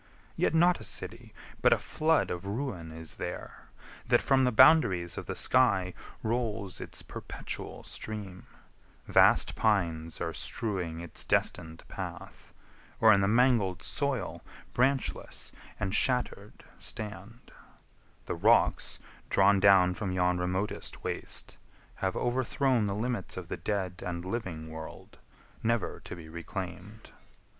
Yet not a city, but a flood of ruin Is there, that from the boundaries of the sky Rolls its perpetual stream; vast pines are strewing Its destin'd path, or in the mangled soil Branchless and shatter'd stand; the rocks, drawn down From yon remotest waste, have overthrown The limits of the dead and living world, Never to be reclaim'd.